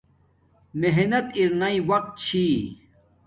محنت ارناݵ وقت چھی